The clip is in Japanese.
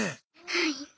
はい。